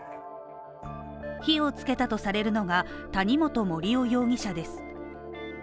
火をつけたとされるのが谷本盛雄容疑者です。